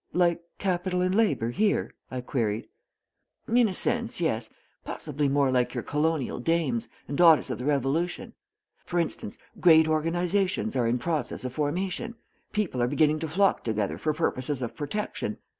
"Like capital and labor here?" I queried. "In a sense, yes possibly more like your Colonial Dames, and Daughters of the Revolution. For instance, great organizations are in process of formation people are beginning to flock together for purposes of protection.